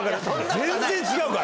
全然違うから。